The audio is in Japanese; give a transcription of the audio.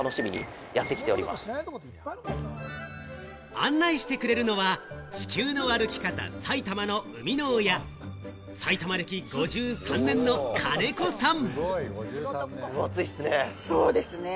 案内してくれるのは、『地球の歩き方埼玉』の生みの親、埼玉歴５３年の金子さん。